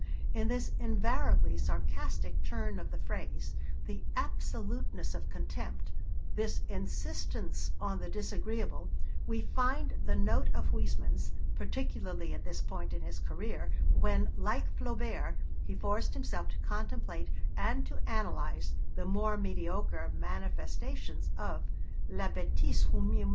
In this invariably sarcastic turn of the phrase, this absoluteness of contempt, this insistence on the disagreeable, we find the note of Huysmans, particularly at this point in his career, when, like Flaubert, he forced himself to contemplate and to analyse the more mediocre manifestations of la bêtise humaine.